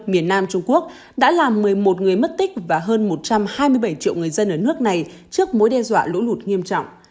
miền nam trung quốc đã làm một mươi một người mất tích và hơn một trăm hai mươi bảy triệu người dân ở nước này trước mối đe dọa lũ lụt nghiêm trọng